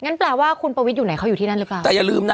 แปลว่าคุณประวิทย์อยู่ไหนเขาอยู่ที่นั่นหรือเปล่าแต่อย่าลืมนะ